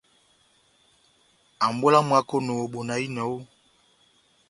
Ambolo ya mwákoni bona ina!